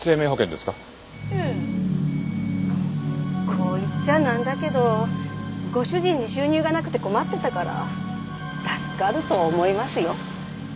こう言っちゃなんだけどご主人に収入がなくて困ってたから助かると思いますよ。